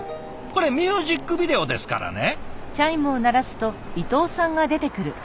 これミュージックビデオですからね。